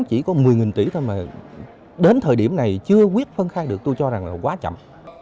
chỉ có một mươi tỷ thôi mà đến thời điểm này chưa quyết phân khai được tôi cho rằng là quá chậm